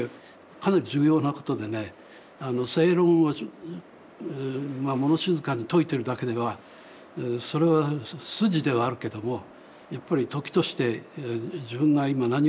かなり重要なことでね正論を物静かに説いてるだけではそれは筋ではあるけどもやっぱり時として自分が今何を感じてるのか